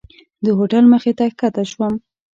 د هوټل مخې ته ښکته شوم.